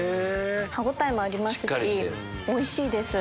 歯応えもありますしおいしいです。